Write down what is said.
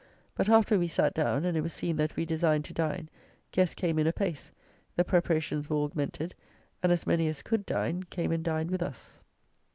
But, after we sat down, and it was seen that we designed to dine, guests came in apace, the preparations were augmented, and as many as could dine came and dined with us.